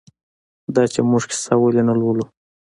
دا چې موږ کیسه ولې نه لولو؟